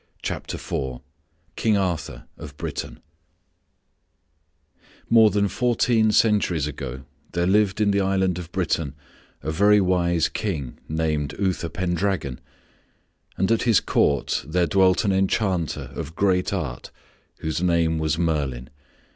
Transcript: CHAPTER IV KING ARTHUR OF BRITAIN More than fourteen centuries ago there lived in the Island of Britain a very wise king named Uther Pendragon. And at his court there dwelt an enchanter of great art whose name was Merlin.